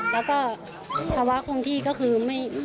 แล้วก็ภาวะคลุมที่ก็คือ